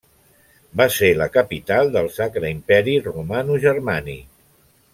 Va ser la capital del Sacre Imperi Romanogermànic.